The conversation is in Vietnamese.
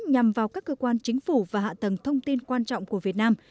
nhằm vào các cơ quan chính phủ và hạ tầng thông tin quan trọng của việt nam